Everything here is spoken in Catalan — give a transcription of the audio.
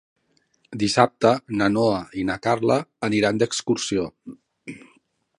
Dissabte na Noa i na Carla aniran d'excursió.